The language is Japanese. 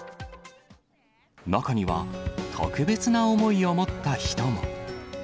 中には、特別な思いを持った人も。